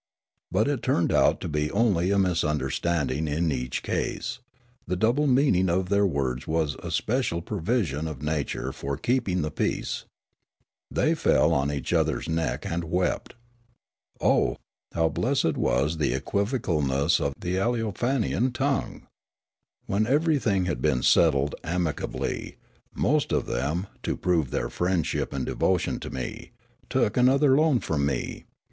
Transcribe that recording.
But it turned out to be only a misunder standing in each case ; the double meaning of their words was a special provision of nature for keeping the peace. They fell on each other's neck and wept. Oh, how blessed was the equivocalness of the Aleofan ian tongue ! When everj'thing had been settled amicably, most of them, to prove their friendship and devotion to me, took another loan from me.